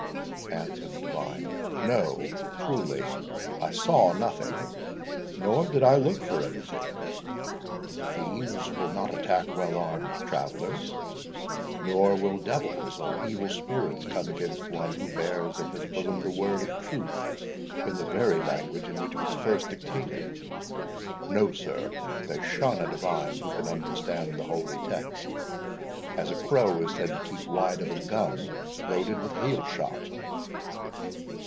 answered the divine; "no, truly, I saw nothing, nor did I look for anything. Thieves will not attack well armed travellers, nor will devils or evil spirits come against one who bears in his bosom the word of truth, in the very language in which it was first dictated. No, sir, they shun a divine who can understand the holy text, as a crow is said to keep wide of a gun loaded with hailshot."